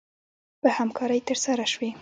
په همکارۍ ترسره شوې